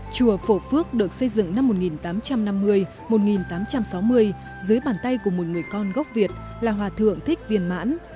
chùa phổ phước được xây dựng năm một nghìn tám trăm năm mươi một nghìn tám trăm sáu mươi dưới bàn tay của một người con gốc việt là hòa thượng thích viên mãn